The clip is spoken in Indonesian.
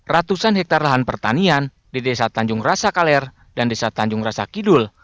ratusan hektare lahan pertanian di desa tanjung rasa kaler dan desa tanjung rasa kidul